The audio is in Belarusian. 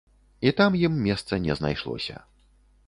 І там ім месца не знайшлося.